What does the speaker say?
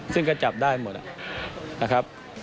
ซึ่งก็จับได้หมดนะครับ